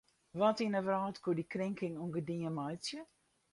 Wat yn de wrâld koe dy krinking ûngedien meitsje?